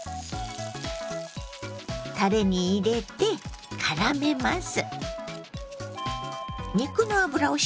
たれに入れてからめます。